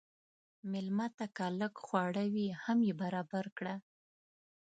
مېلمه ته که لږ خواړه وي، هم یې برابر کړه.